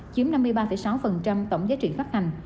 chiếm năm mươi ba sáu tổng giá trị phát hành